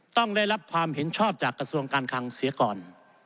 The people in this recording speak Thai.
ต้องได้รับความเห็นชอบจากกระทรวงการคังเสียก่อน